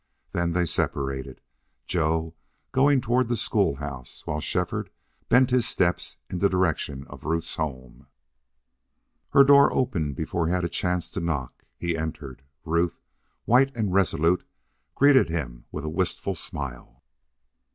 Then they separated, Joe going toward the school house, while Shefford bent his steps in the direction of Ruth's home. Her door opened before he had a chance to knock. He entered. Ruth, white and resolute, greeted him with a wistful smile.